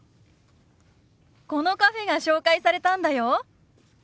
このカフェが紹介されたんだよ。